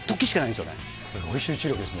すごい集中力ですね。